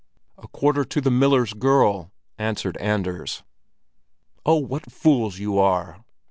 "A quarter to the miller's girl," answered Anders. "Oh, what fools you are!